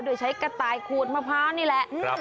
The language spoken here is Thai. โดยใช้กระต่ายขูดมะพร้าวนี่แหละ